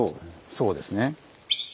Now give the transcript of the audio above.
そうですね。